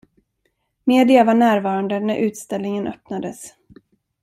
Media var närvarande när utställningen öppnades.